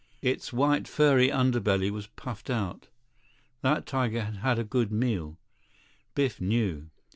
Its white furry underbelly was puffed out. That tiger had had a good meal, Biff knew.